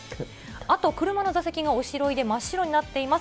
あと車の座席がおしろいで真っ白になっています。